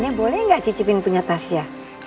nenek boleh gak cicipin punya tasya